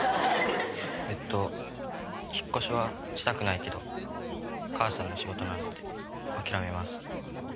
えっと引っ越しはしたくないけど母さんの仕事なので諦めます。